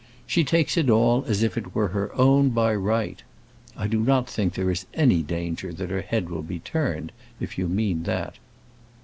She takes it all as if it were her own by right. I do not think that there is any danger that her head will be turned, if you mean that."